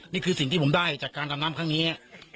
นี่คือสิ่งที่ผมได้จากการดำน้ำครั้งนี้